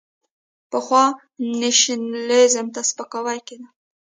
پخوا نېشنلېزم ته سپکاوی کېده.